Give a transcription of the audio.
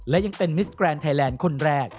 และยังเป็นมิสแกรนด์ไทยแลนด์คนแรก